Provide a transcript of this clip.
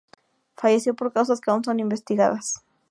Falleció por causas que aun son investigadas.